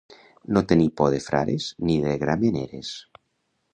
No tenir por de frares ni de grameneres.